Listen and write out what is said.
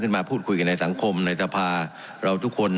มาพูดคุยกันในสังคมในสภาเราทุกคน